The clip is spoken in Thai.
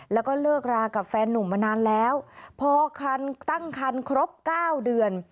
แล้วก็เลิกรากับแฟนนุ่มมานานแล้วพอตั้งคันครบเก้าเดือน